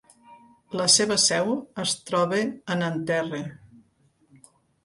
La seva seu es troba a Nanterre.